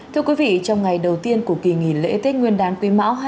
thưa quý vị trong ngày đầu tiên của kỳ nghỉ lễ tết nguyên đán quý mão hai nghìn hai mươi bốn